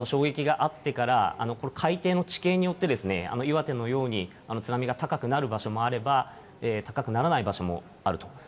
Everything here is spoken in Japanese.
そういうふうに衝撃があってから、海底の地形によって、岩手のように津波が高くなる場所もあれば、高くならない場所もあると。